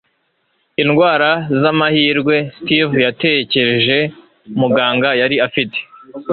indwara z'amahirwe, steve yatekereje. muganga yari afite